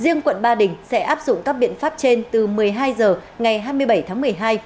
riêng quận ba đình sẽ áp dụng các biện pháp trên từ một mươi hai h ngày hai mươi bảy tháng một mươi hai